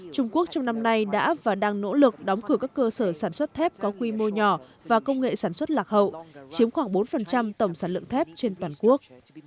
trung quốc trong năm nay đã và đang nỗ lực đóng cửa các cơ sở sản xuất thép có quy mô nhỏ và công nghệ sản xuất lạc hậu chiếm khoảng bốn tổng sản lượng thép trên toàn quốc